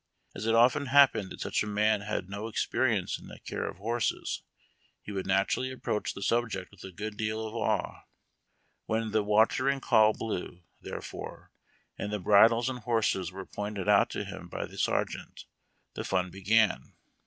As it often happened that such a man had had no experience in the care of horses, he would naturally approach the sub ject with a good deal of awe. When the Watering Call blew, therefore, and the bridles and horses were pointed out to him by the sergeant, the fun began.